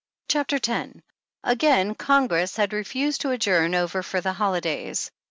CHAPTER X. Again Congress had refused to adjourn over for the holidays.